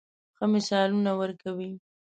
ښه مثالونه ورکوي.